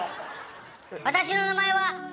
私の名前はガラ。